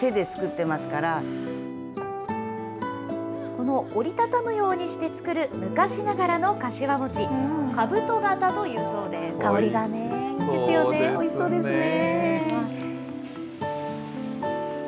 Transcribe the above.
この折り畳むようにして作る昔ながらのかしわ餅、かぶと型とおいしそうですね。